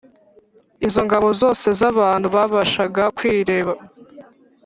Izo ngabo zose z abantu babashaga kwirema